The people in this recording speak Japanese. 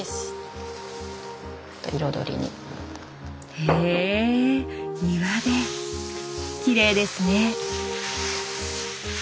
へ庭できれいですね。